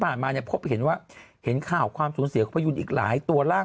มาเนี่ยพบเห็นว่าเห็นข่าวความสูญเสียของพยุนอีกหลายตัวร่าง